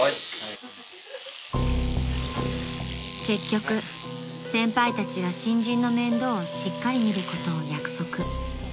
［結局先輩たちが新人の面倒をしっかり見ることを約束］